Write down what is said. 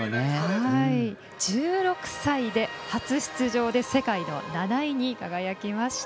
１６歳で初出場で世界の７位に輝きました。